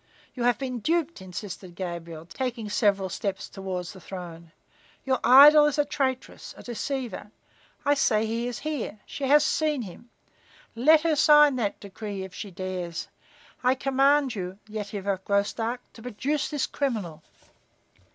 "You have been duped!" insisted Gabriel, taking several steps toward the throne. "Your idol is a traitress, a deceiver! I say he is here! She has seen him. Let her sign that decree if she dares! I command you, Yetive of Graustark, to produce this criminal!"